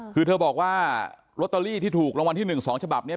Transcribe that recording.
คือเธอบอกว่าลอตเตอรี่ที่ถูกรางวัลที่๑๒ฉบับนี้